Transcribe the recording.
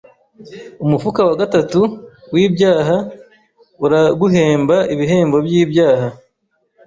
Umufuka wa gatatu wibyaha uraguhemba ibihembo byibyaha